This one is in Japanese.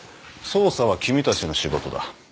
捜査は君たちの仕事だ。